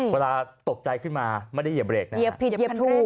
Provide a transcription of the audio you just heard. เวลาตกใจขึ้นมาไม่ได้เหยียบเรกนะเหยียบผิดเหยียบถูก